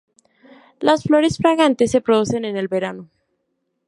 Las flores fragantes se producen en el verano.